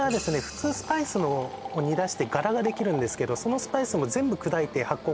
普通スパイスを煮出して殻ができるんですけどそのスパイスも全部砕いて醗酵